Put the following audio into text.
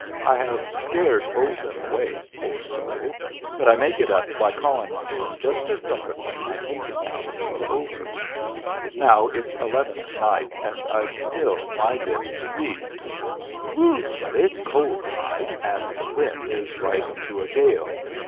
I have scared Olson away poor soul but I make it up by calling on him just at dark when my painting hours are over. Now it's eleven at night and I've still my bit to read. Whew, but it's cold to night and the wind is rising to a gale.